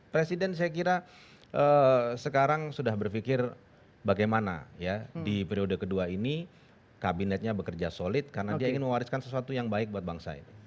presiden saya kira sekarang sudah berpikir bagaimana ya di periode kedua ini kabinetnya bekerja solid karena dia ingin mewariskan sesuatu yang baik buat bangsa ini